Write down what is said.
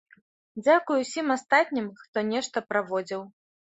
Дзякуй усім астатнім, хто нешта праводзіў.